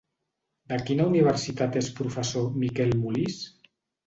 De quina universitat és professor Miquel Molist?